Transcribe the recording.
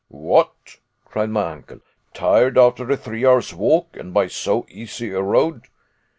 "What," cried my uncle, "tired after a three hours' walk, and by so easy a road?"